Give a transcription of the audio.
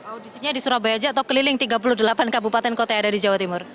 audisinya di surabaya saja atau keliling tiga puluh delapan kabupaten kota yang ada di jawa timur